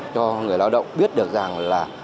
cho người lao động biết được rằng